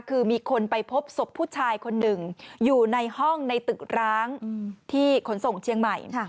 คือมีคนไปพบศพผู้ชายคนหนึ่งอยู่ในห้องในตึกร้างที่ขนส่งเชียงใหม่